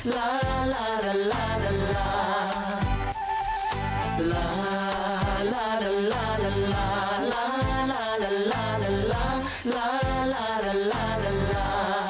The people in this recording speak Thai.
ลาลาลาลาลา